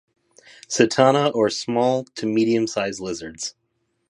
"Sitana" are small to medium-sized lizards.